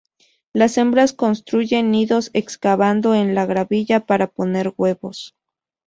Las hembras construyen nidos excavando en la gravilla para poner huevos.